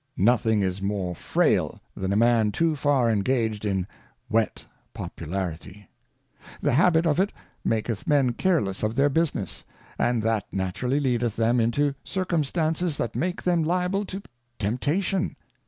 Nothing is more frail than a Man too far engaged in wet Popularity. The habit of it maketh Men careless of their business, and that naturally leadeth them into Circumstances that make them liable to Temptation.